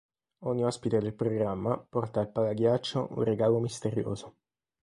Ogni ospite del programma porta al palaghiaccio un regalo misterioso.